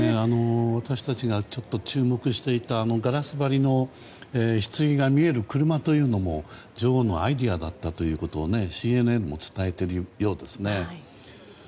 私たちが注目していたガラス張りのひつぎが見える車というのも女王のアイデアだったということをＣＮＮも伝えているようですね。